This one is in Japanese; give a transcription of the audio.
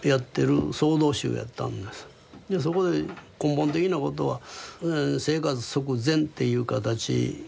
でそこで根本的なことは生活即禅っていう形。